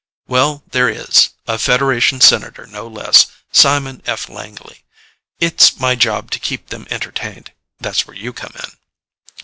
"Well, there is. A Federation Senator, no less. Simon F. Langley. It's my job to keep them entertained; that's where you come in."